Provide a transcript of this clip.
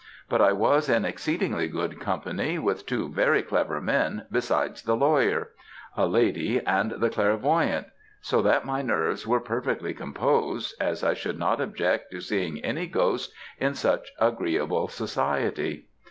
But I was in exceedingly good company, with two very clever men, besides the lawyer, a lady, and the clairvoyante; so that my nerves were perfectly composed, as I should not object to seeing any ghost in such agreeable society.